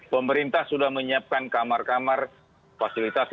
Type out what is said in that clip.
pemerintah sudah menyiapkan kamar kamar fasilitas